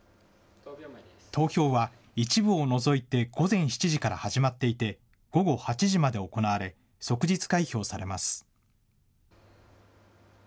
投票は一部を除いて午前７時から始まっていて、午後８時まで行われ、即日開票されます。